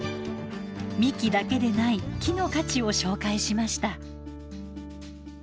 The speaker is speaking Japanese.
幹だけでない木の価値を紹介しました。